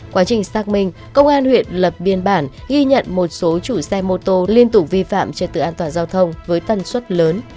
quá trình xác minh công an huyện lập biên bản ghi nhận một số chủ xe mô tô liên tục vi phạm trật tự an toàn giao thông với tần suất lớn